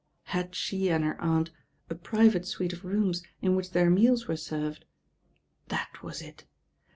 Had she and her aunt a private suite of rooms in which their meals were served? That was it.